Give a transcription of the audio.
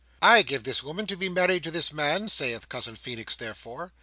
"I give this woman to be married to this man," saith Cousin Feenix therefore.